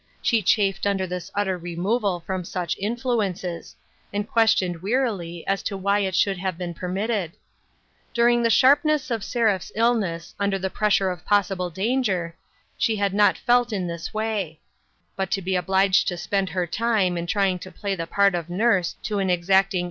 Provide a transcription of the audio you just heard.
She chafed under this utter removal from such influences, and questioned wearily as to why it should have been permitted. During the sharpness of Seraph's illness, under the pressure of possible danger, she had not felt in this way ; but to be obliged to spend her time in trying to play the part of nurse to an exacting 228 WAITING.